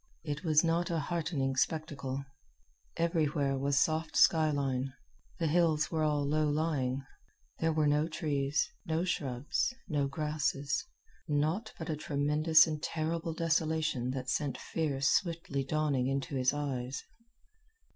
It was not a heartening spectacle. Everywhere was soft sky line. The hills were all low lying. There were no trees, no shrubs, no grasses naught but a tremendous and terrible desolation that sent fear swiftly dawning into his eyes.